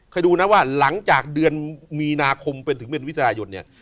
ดูนะว่าหลังจากเดือนมีนาคมเป็นถึงเดือนมิถุนายนเนี่ย